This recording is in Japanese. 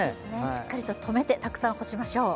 しっかりととめて、たくさん干しましょう。